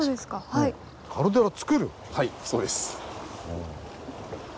はいそうです。